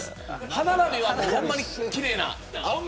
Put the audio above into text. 歯並びはほんまに奇麗な。